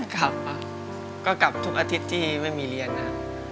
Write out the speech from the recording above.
กลับก็กลับทุกอาทิตย์ที่ไม่มีเรียนนะ